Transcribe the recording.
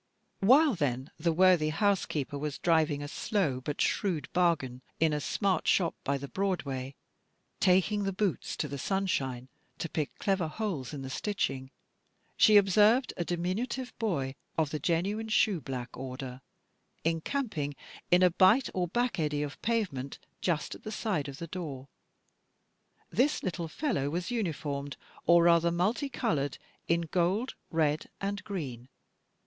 While then the worthy housekeeper was driving a slow but shrewd bargain, in a smart shop by the Broadway, taking the boots to the sunshine, to pick clever holes in the stitching, she observed a diminutive boy, of the genuine shoe black order, encamping in a bight or back eddy of pavement, just at the side of the door. This little fellow was uniformed, or rather multi coloured, in gold, and red, and green.